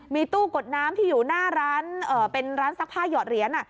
มีตู้กดน้ำที่อยู่หน้าร้านเป็นร้านซักผ้าหยอดเหรียญ